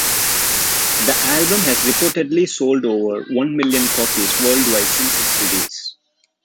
The album has reportedly sold over one million copies worldwide since its release.